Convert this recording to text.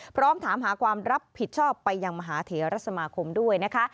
พร้อมถามหาความรับผิดชอบไปยังมหาเถระสมาคมด้วยนะคะ